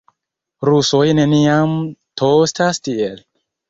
Rusoj neniam tostas tiel.